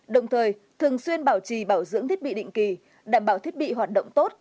đồng thời thường xuyên bảo trì bảo dưỡng thiết bị định kỳ đảm bảo thiết bị hoạt động tốt